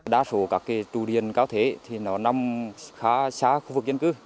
đa số các trụ điện cao thế thì nó nằm khá xa khu vực dân cư